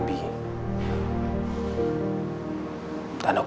terima kasih pak